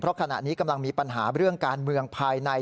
เพราะขณะนี้กำลังมีปัญหาเรื่องการเมืองภายใน